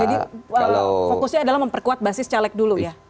fokusnya adalah memperkuat basis caleg dulu ya